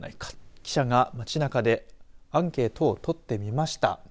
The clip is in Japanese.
記者が街なかでアンケートを取ってみました。